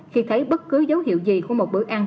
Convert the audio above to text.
khi thấy bất cứ dấu hiệu gì của một bữa ăn